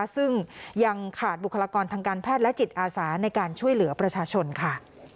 ซึ่งยังขาดบุคลากรทางการแพทย์และจิตอาสาในการช่วยเหลือประชาชนค่ะ